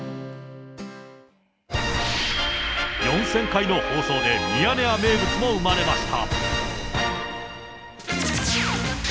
４０００回の放送でミヤネ屋名物も生まれました。